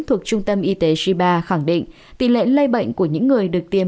thuộc trung tâm y tế shiba khẳng định tỷ lệ lây bệnh của những người được tiêm